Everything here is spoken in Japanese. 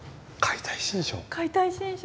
「解体新書」？